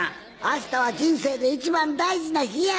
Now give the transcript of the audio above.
あしたは人生で一番大事な日や。